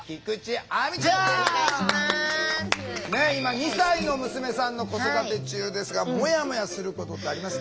ねえ今２歳の娘さんの子育て中ですがもやもやすることってありますか？